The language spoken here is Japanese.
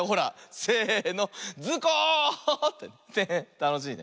たのしいね。